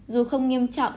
dù không nghiêm trọng